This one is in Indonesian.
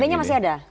kib nya masih ada